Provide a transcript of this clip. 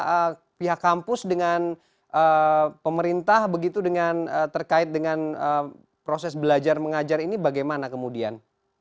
eee pihak kampus dengan hmm pemerintah begitu dengan hmm terkait dengan hmm proses belajar mengajar ini bagaimana kemudian